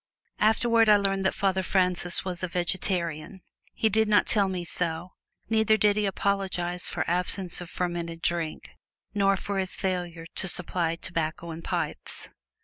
Afterward I learned that Father Francis was a vegetarian. He did not tell me so, neither did he apologize for absence of fermented drink, nor for his failure to supply tobacco and pipes.